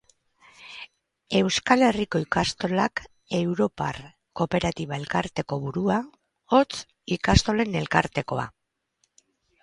Euskal Herriko Ikastolak europar kooperatiba-elkarteko burua, hots, Ikastolen Elkartekoa.